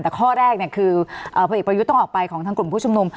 แต่ข้อแรกเนี่ยคือผลิตประยุทธ์ต้องออกไปของกลุ่มผู้ชมนุม